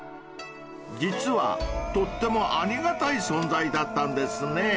［実はとってもありがたい存在だったんですね］